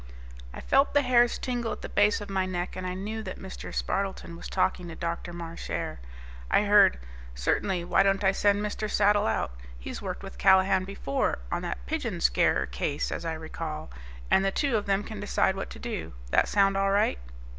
I felt the hairs tingle at the base of my neck, and I knew that Mr. Spardleton was talking to Dr. Marchare. I heard, "Certainly, why don't I send Mr. Saddle out. He's worked with Callahan before on that Pigeon Scarer Case, as I recall and the two of them can decide what to do. That sound all right?"